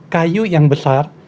kayu yang besar